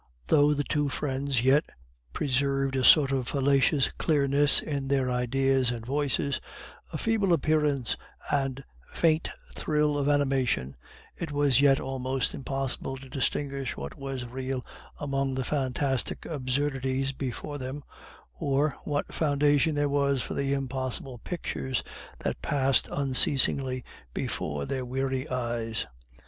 Though the two friends yet preserved a sort of fallacious clearness in their ideas and voices, a feeble appearance and faint thrill of animation, it was yet almost impossible to distinguish what was real among the fantastic absurdities before them, or what foundation there was for the impossible pictures that passed unceasingly before their weary eyes.